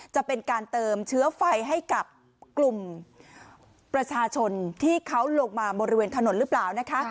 จะเป็นการเติมเชื้อไฟให้กับกลุ่มประชาชนที่เขาลงมาบริเวณถนนหรือเปล่านะคะ